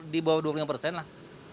di bawah dua puluh lima persen lah